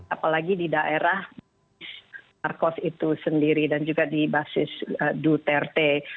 apalagi di daerah markos itu sendiri dan juga di basis duterte